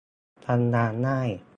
ทำงานง่าย